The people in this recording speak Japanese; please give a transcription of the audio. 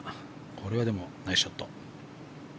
これはでも、ナイスショット。